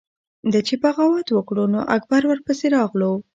ده چې بغاوت وکړو نو اکبر ورپسې راغلو۔